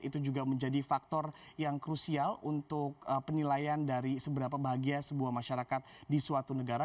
itu juga menjadi faktor yang krusial untuk penilaian dari seberapa bahagia sebuah masyarakat di suatu negara